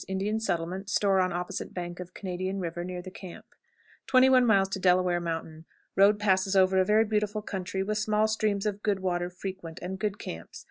Indian settlement; store on opposite bank of Canadian River, near the camp. 21. Delaware Mountain. Road passes over a very beautiful country, with small streams of good water frequent, and good camps.